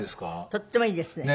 とってもいいですね。